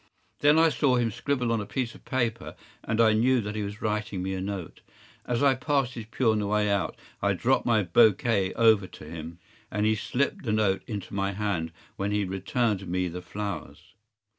Then I saw him scribble on a piece of paper, and I knew that he was writing me a note. As I passed his pew on the way out I dropped my bouquet over to him, and he slipped the note into my hand when he returned me the flowers.